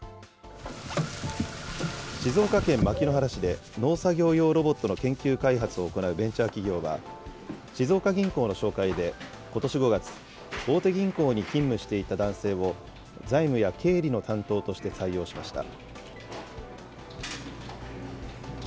静岡県牧之原市で農作業ロボットの研究開発を行うベンチャー企業は、静岡銀行の紹介でことし５月、大手銀行に勤務していた男性を、財務や経理の担当として採用しました。